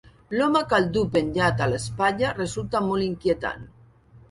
L'home que el duu penjat a l'espatlla resulta molt inquietant.